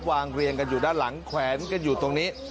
เรียงกันอยู่ด้านหลังแขวนกันอยู่ตรงนี้